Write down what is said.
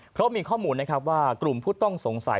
เพราะมีข้อมูลนะครับว่ากลุ่มผู้ต้องสงสัย